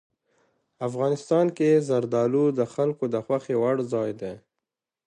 افغانستان کې زردالو د خلکو د خوښې وړ ځای دی.